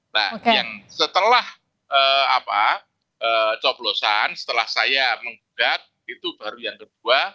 nah yang setelah coblosan setelah saya menggugat itu baru yang kedua